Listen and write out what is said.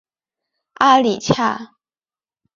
阿里恰。